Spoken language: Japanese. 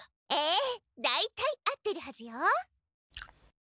ええ大体合ってるはずよ。